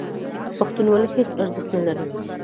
پښتونولي هېڅ ارزښت نه لري.